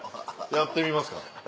やってみますか。